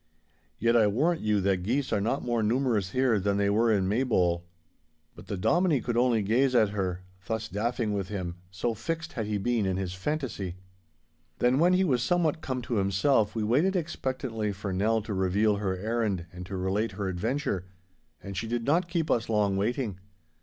Yet I warrant you that geese are not more numerous here than they were in Maybole!' But the Dominie could only gaze at her, thus daffing with him, so fixed had he been in his fantasy. Then when he was somewhat come to himself, we waited expectantly for Nell to reveal her errand and to relate her adventure, and she did not keep us long waiting.